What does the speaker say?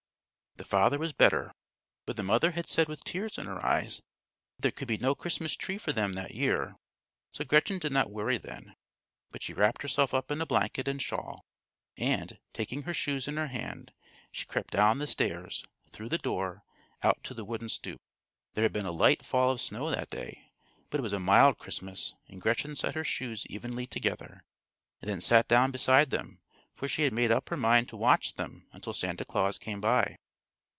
The father was better; but the mother had said with tears in her eyes, that there could be no Christmas tree for them that year. So Gretchen did not worry them, but she wrapped herself up in a blanket and shawl, and, taking her shoes in her hand, she crept down the stairs, through the door, out to the wooden stoop. There had been a light fall of snow that day, but it was a mild Christmas, and Gretchen set her shoes evenly together, and then sat down beside them; for she had made up her mind to watch them until Santa Claus came by.